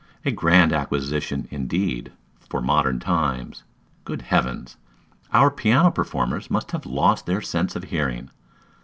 A grand acquisition, indeed, for modern times! Good heavens! Our piano performers must have lost their sense of hearing!